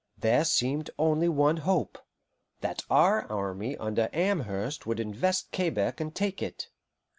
There seemed only one hope: that our army under Amherst would invest Quebec and take it.